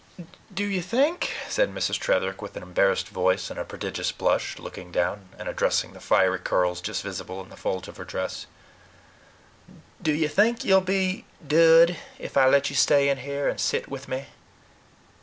"Do you think," said Mrs. Tretherick with an embarrassed voice and a prodigious blush, looking down, and addressing the fiery curls just visible in the folds of her dress "do you think you will be 'dood' if I let you stay in here and sit with me?"